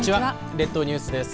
列島ニュースです。